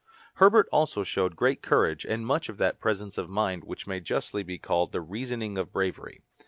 Herbert also showed great courage and much of that presence of mind which may justly be called "the reasoning of bravery."